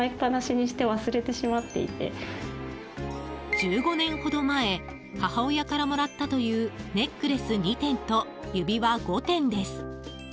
１５年ほど前母親からもらったというネックレス２点と指輪５点です。